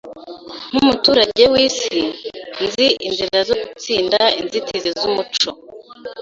Nkumuturage wisi, nzi inzira zo gutsinda inzitizi zumuco.